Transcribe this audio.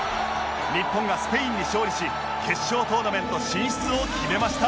日本がスペインに勝利し決勝トーナメント進出を決めました！